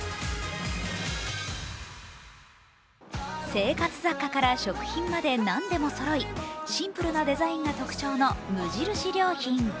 生活雑貨から食品まで何でもそろいシンプルなデザインが特徴の無印良品。